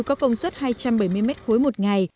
có công suất hai trăm bảy mươi mét khối một ngày